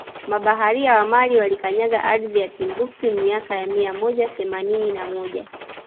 Mabaharia wa Mali walikanyaga ardhi ya Timbuktu miaka ya mia moja themanini na moja